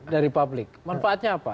dari publik manfaatnya apa